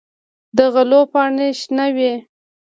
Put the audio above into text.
د غلو پاڼې شنه وي.